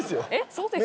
そうですか？